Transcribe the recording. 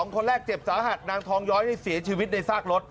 คนแรกเจ็บสาหัสนางทองย้อยเสียชีวิตในซากรถ